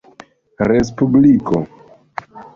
respubliko